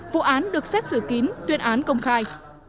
vụ án được xét xử kín tuyên án công khai